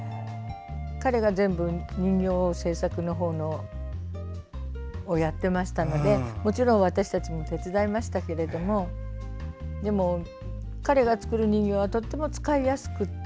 彼が全部人形制作をやっていましたのでもちろん、私たちも手伝いましたけれどもでも、彼が作る人形はとても使いやすくて。